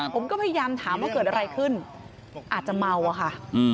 ผมก็พยายามถามว่าเกิดอะไรขึ้นอาจจะเมาอะค่ะ